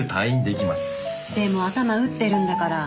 でも頭打ってるんだから。